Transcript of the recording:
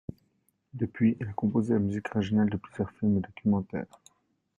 Depuis, il a composé la musique originale de plusieurs films et documentaires.